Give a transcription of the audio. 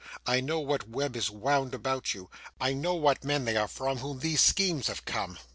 I know what web is wound about you. I know what men they are from whom these schemes have come.